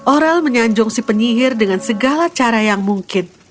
orel menyanjung si penyihir dengan segala cara yang mungkin